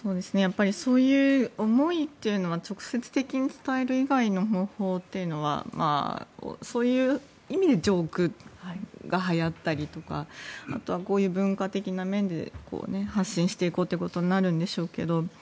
そういう思いというのは直接的に伝える以外の方法というのはそういう意味でジョークがはやったりとかあとはこういう文化的な面で発信していこうということになるんでしょうが